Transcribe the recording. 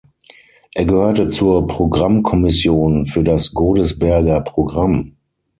Er gehörte zur Programmkommission für das Godesberger Programm.